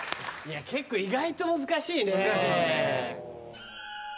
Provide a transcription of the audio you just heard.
結構意外と難しいね。